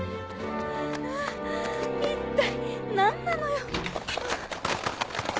ハァ一体何なのよ。